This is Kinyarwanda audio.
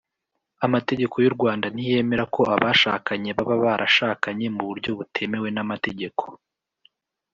amategeko y’u rwanda ntiyemera ko abashakanye baba barashakanye mu buryo butemewe n’amategeko;